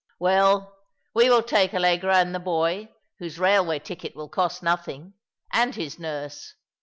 " Well, we will take Allegra, and the boy, whose railway ticket will cost nothing, and his nurse.